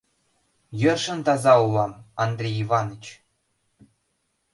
— Йӧршын таза улам, Андрей Иваныч.